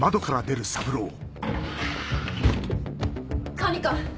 管理官！